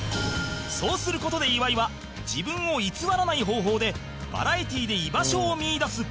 そうする事で岩井は自分を偽らない方法でバラエティで居場所を見いだす